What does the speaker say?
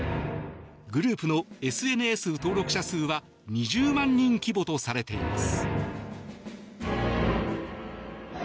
グループのＳＮＳ登録者数は２０万人規模とされています。